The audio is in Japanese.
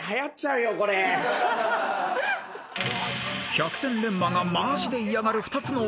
［百戦錬磨がマジで嫌がる２つのお茶］